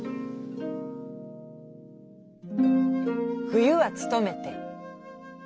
「冬はつとめて。